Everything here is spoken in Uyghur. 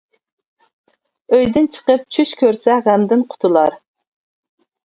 ئۆيدىن چىقىپ چۈش كۆرسە غەمدىن قۇتۇلار.